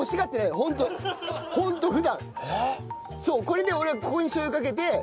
そうこれで俺はここにしょう油かけて。